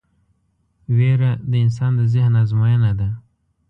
وېره د انسان د ذهن ازموینه ده.